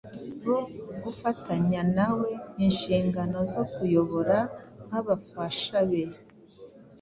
bo gufatanya nawe inshingano zo kuyobora nk’abafasha be,